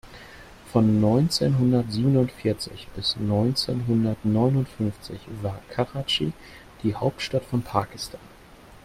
Von neunzehnhundertsiebenundvierzig bis neunzehnhundertneunundfünfzig war Karatschi die Hauptstadt von Pakistan.